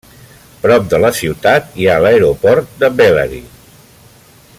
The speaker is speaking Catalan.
Prop de la ciutat hi ha l'aeroport de Bellary.